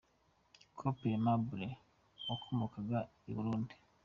– Cpl Aimable wakomokaga I Burundi.